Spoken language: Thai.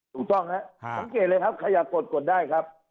ถูกต้องครับสังเกตเลยครับขยับกดกดได้ครับ